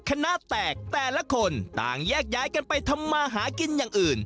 คณะแตกแต่ละคนต่างแยกย้ายกันไปทำมาหากินอย่างอื่น